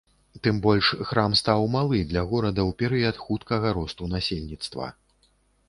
Тым больш храм стаў малы для горада ў перыяд хуткага росту насельніцтва.